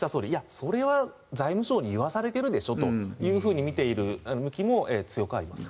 それは財務省にいわされているでしょと見ている向きも強くあります。